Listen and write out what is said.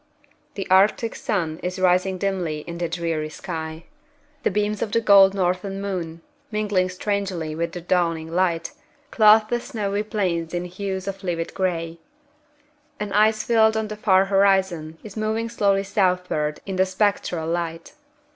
The Arctic sun is rising dimly in the dreary sky. The beams of the cold northern moon, mingling strangely with the dawning light, clothe the snowy plains in hues of livid gray. An ice field on the far horizon is moving slowly southward in the spectral light.